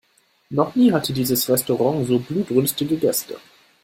Noch nie hatte dieses Restaurant so blutrünstige Gäste.